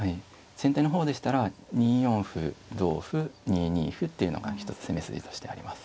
先手の方でしたら２四歩同歩２二歩っていうのが一つ攻め筋としてあります。